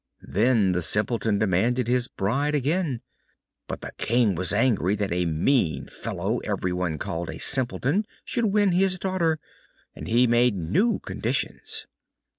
Then the Simpleton demanded his bride again, but the King was angry that a mean fellow everyone called a Simpleton should win his daughter, and he made new conditions.